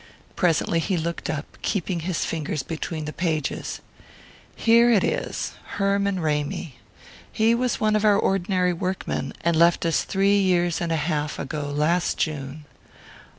Presently he looked up, keeping his finger between the pages. "Here it is Herman Ramy. He was one of our ordinary workmen, and left us three years and a half ago last June."